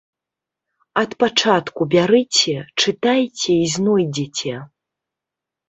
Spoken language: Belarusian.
Ад пачатку бярыце, чытайце і знойдзеце.